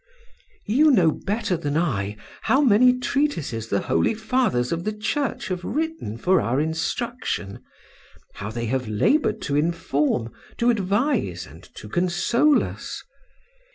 You know better than I how many treatises the holy fathers of the Church have written for our instruction; how they have labored to inform, to advise, and to console us.